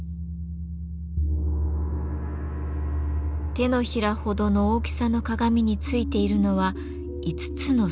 手のひらほどの大きさの鏡についているのは５つの鈴。